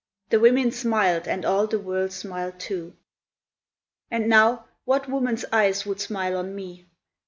The women smiled, and all the world smiled too. And now, what woman's eyes would smile on me?